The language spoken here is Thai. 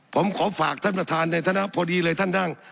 ผมขอฝากท่านประธานในฐานะพอดีเลยท่านนั่ง